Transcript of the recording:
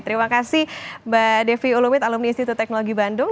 terima kasih mbak devi ulumit alumni institut teknologi bandung